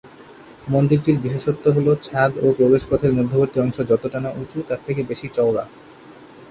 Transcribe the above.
মন্দিরটির বিশেষত্ব হল ছাদ ও প্রবেশপথের মধ্যবর্তী অংশ যতটা না উঁচু তার থেকে বেশি চওড়া।